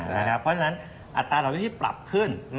เพราะฉะนั้นอัตราดอกเบี้ยที่ปรับขึ้น